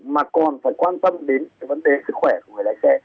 mà còn phải quan tâm đến vấn đề sức khỏe của người lái xe